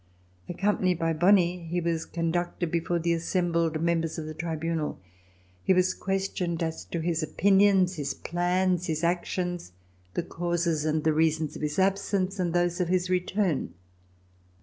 Accompanied by Bonie, he was conducted before the assembled members of the Tribunal. He was questioned as to his opinions, his plans, his actions, the causes and the reasons of his absence and those of his return.